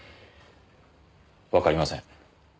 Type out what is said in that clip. わかりません。